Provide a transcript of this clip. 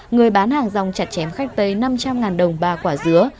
người bán hàng rong chặt chém khách tây năm trăm linh đồng ba quả dứa